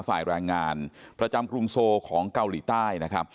ฝ่ายแรงงานประจำกรุงโซของเกาหลีใต้นะครับ